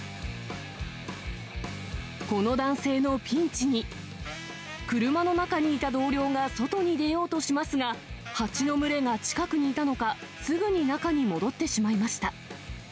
この男性のピンチに、車の中にいた同僚が外に出ようとしますが、蜂の群れが近くにいたのか、すぐに中に戻ってしまいました。